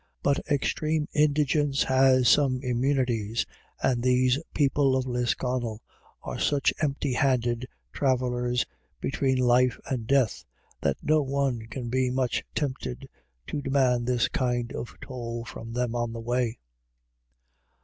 But extreme indigence has some immunities, and these people of Lisconnel are such empty handed travel lers between life and death that no one can be much tempted to demand this kind of toll from them on the way.